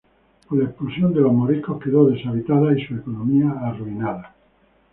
Con la expulsión de los moriscos quedó deshabitada y su economía arruinada.